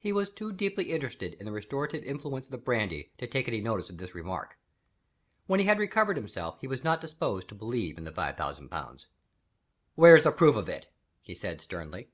He was too deeply interested in the restorative influence of the brandy to take any notice of this remark. When he had recovered himself he was not disposed to believe in the five thousand pounds. "Where's the proof of it?" he said, sternly.